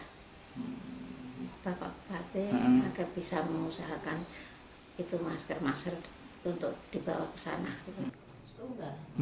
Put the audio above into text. bapak bupati agar bisa mengusahakan itu masker masker untuk dibawa ke sana